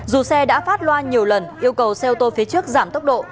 dù xe đã phát loa nhiều lần yêu cầu xe ô tô phía trước giảm tốc độ